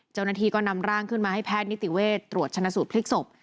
เจ้าหน้าที่ก็นำร่างขึ้นมาให้แพทย์นิติเวชตรวจชนะสูตรพลิกศพ